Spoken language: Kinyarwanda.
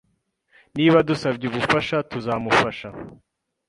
Niba adusabye ubufasha, tuzamufasha.